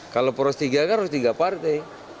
kalau poros tiga kan harus tiga partai